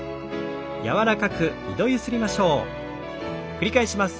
繰り返します。